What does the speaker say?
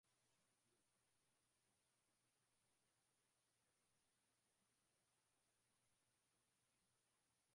i za Brazil zinaweza kuagiza bidhaa za kumaliza kutoka kwa bidhaa za bangi